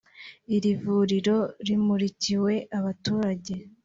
Iri vuriro rimurikiwe abaturage